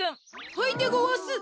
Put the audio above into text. はいでごわす。